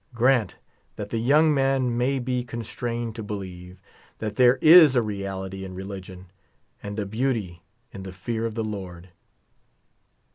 Grant that the young man may be constrained to believe that there is a reality in religion, and a beauty in the fear of the' Lord.